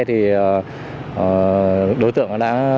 thì đối tượng đã